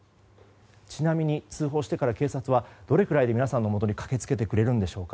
ちなみに、通報してから警察はどれくらいで皆さんのもとに駆け付けてくれるんでしょうか。